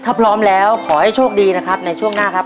ถ้าพร้อมแล้วขอให้โชคดีนะครับในช่วงหน้าครับ